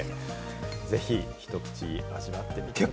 ぜひ、ひと口味わってみてください。